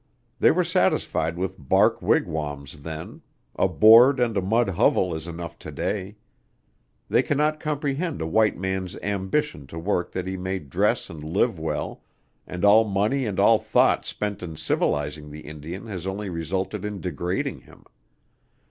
They were satisfied with bark wigwams then; a board and a mud hovel is enough to day. They cannot comprehend a white man's ambition to work that he may dress and live well, and all money and all thought spent in civilizing the Indian has only resulted in degrading him.